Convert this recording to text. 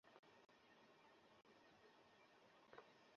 হ্যাঁ, ওই।